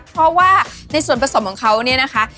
เพราะว่าในส่วนผสมของเขาเนี่ยนะคะ